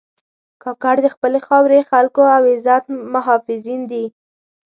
کاکړ د خپلې خاورې، خلکو او عزت محافظین دي.